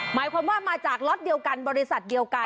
หมายความว่ามาจากล็อตเดียวกันบริษัทเดียวกัน